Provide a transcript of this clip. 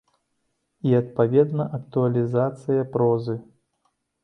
І, адпаведна, актуалізацыя прозы.